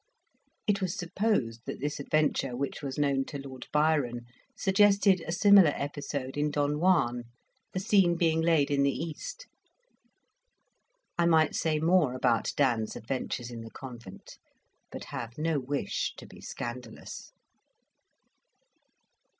It was supposed that this adventure, which was known to Lord Byron, suggested a similar episode in Don Juan, the scene being laid in the East. I might say more about Dan's adventures in the convent, but have no wish to be scandalous.